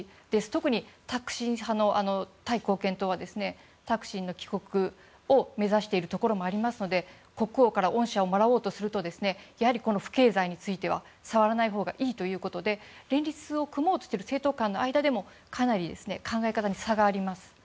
特に、タクシン派のタイ貢献党はタクシンの帰国を目指しているところもありますので国王から恩赦をもらおうとするとやはり不敬罪については触らないほうがいいということで連立を組もうとしている政党間の間でもかなり考え方に差があります。